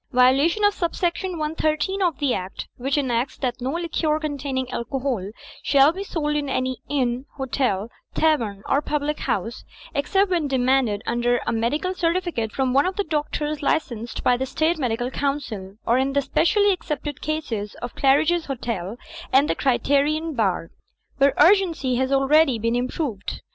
(2) Violation of sub section 113^ of the Act, which enacts that no liquor containing alcohol shall be sold in any inn, hotel, tavern or public house, except when de manded under a medical certificate from one of the doctors licensed by the State Medical Council, or in the specially excepted cases of Claridge's Hotel and the Criterion Bar, where urgency has already been proved.